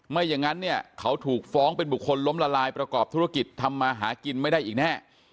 อย่างนั้นเนี่ยเขาถูกฟ้องเป็นบุคคลล้มละลายประกอบธุรกิจทำมาหากินไม่ได้อีกแน่